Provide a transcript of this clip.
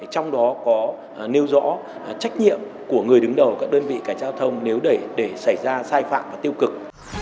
trong đó có nêu rõ trách nhiệm của người đứng đầu các đơn vị cảnh giao thông nếu để xảy ra sai phạm và tiêu cực